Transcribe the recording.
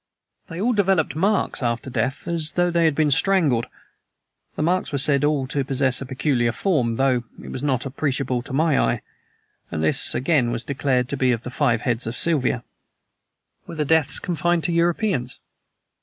"They all developed marks after death, as though they had been strangled! The marks were said all to possess a peculiar form, though it was not appreciable to my eye; and this, again, was declared to be the five heads of Siva." "Were the deaths confined to Europeans?"